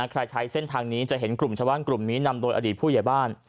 ใช้เส้นทางนี้จะเห็นกลุ่มชาวบ้านกลุ่มนี้นำโดยอดีตผู้ใหญ่บ้าน